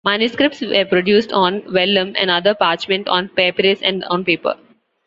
Manuscripts were produced on vellum and other parchment, on papyrus, and on paper.